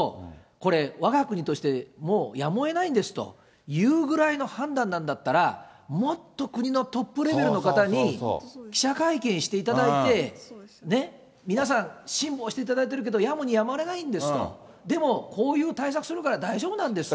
これ、わが国としてもうやむをえないんですよというぐらいの判断なんだったら、もっと国のトップレベルの方に記者会見していただいて、皆さん、辛抱していただいてるけど、やむにやまれないんですと、でもこういう対策するから大丈夫なんですと。